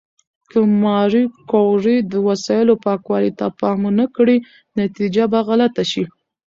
که ماري کوري د وسایلو پاکوالي ته پام ونه کړي، نتیجه به غلطه شي.